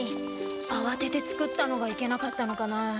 あわてて作ったのがいけなかったのかな？